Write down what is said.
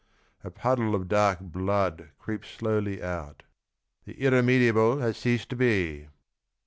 A puddle of dark blood Creeps slowly out. " The irremediable Has ceased to be."